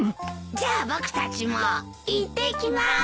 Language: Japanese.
じゃあ僕たちも。いってきます。